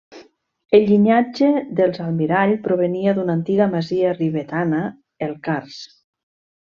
El llinatge dels Almirall provenia d'una antiga masia ribetana: el Carç.